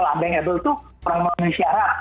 unbankable itu orang orang yang disyarat